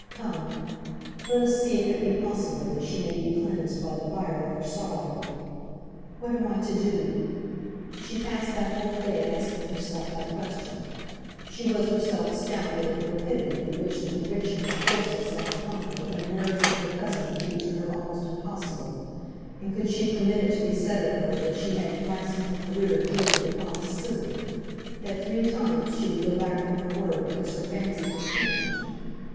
Come; let us see if it be possible that she may be cleansed by the fire of her sorrow. "What am I to do?" She passed that whole day in asking herself that question. She was herself astounded at the rapidity with which the conviction had forced itself upon her that a marriage with her cousin would be to her almost impossible; and could she permit it to be said of her that she had thrice in her career jilted a promised suitor, that three times she would go back from her word because her fancy had changed?